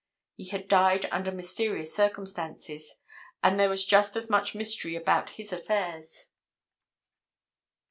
He had died under mysterious circumstances, and there was just as much mystery about his affairs.